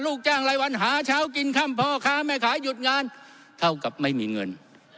ลูกจ้างรายวันหาเช้ากินค่ำพ่อค้าแม่ขายหยุดงานเท่ากับไม่มีเงิน